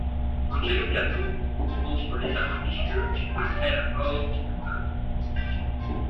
Angelo Catho entre l'état religieux après la mort de sa femme.